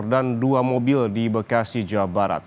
dan dua mobil di bekasi jawa barat